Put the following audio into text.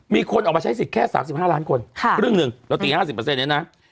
มีคนออกมาใช้สิทธิ์แค่๓๕ล้านคนครึ่งหนึ่งเราตี๕๐เนี่ยนะ